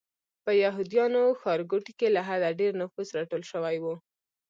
په یهودیانو ښارګوټي کې له حده ډېر نفوس راټول شوی و.